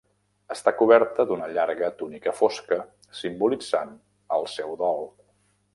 Està coberta d'una llarga túnica fosca, simbolitzant el seu dol.